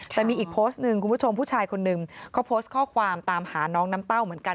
แต่มีอีกโพสต์หนึ่งคุณผู้ชมผู้ชายคนหนึ่งเขาโพสต์ข้อความตามหาน้องน้ำเต้าเหมือนกัน